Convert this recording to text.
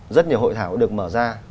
rất nhiều hội thảo được mở ra